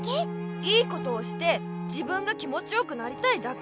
良いことをして自分が気もちよくなりたいだけ。